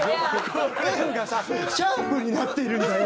「Ｆがさシャープになっているんだよ！」。